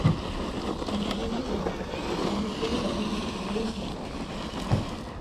Señor Mouzo Saraiba, están vostedes a piques de perder as ideas.